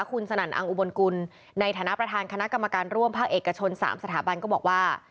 คุณสนั่นอังอุบลกุลในฐานะประธานคณะกรรมการร่วมภาคเอกชน๓สถาบันก็บอกว่า